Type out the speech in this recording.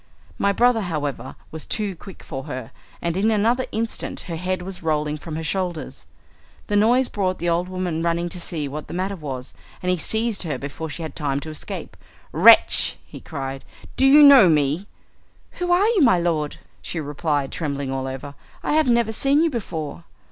My brother, however, was too quick for her, and in another instant her head was rolling from her shoulders. The noise brought the old woman running to see what was the matter, and he seized her before she had time to escape. "Wretch!" he cried, "do you know me?" "Who are you, my lord?" she replied trembling all over. "I have never seen you before."